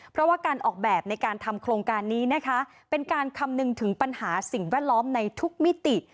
เพราะว่าการออกแบบในการทำโครงการนี้นะคะเป็นการคำนึงถึงปัญหาสิ่งแวดล้อมในทุกมิติ